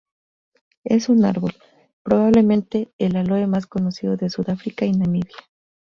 Es un árbol, probablemente el aloe más conocido de Sudáfrica y Namibia.